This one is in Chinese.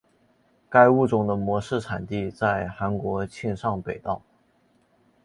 该物种的模式产地在韩国庆尚北道。